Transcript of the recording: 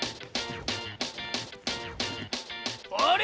あれ？